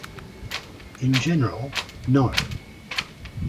In general, no.